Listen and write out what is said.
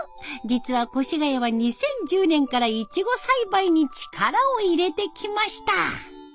実は越谷は２０１０年からイチゴ栽培に力を入れてきました。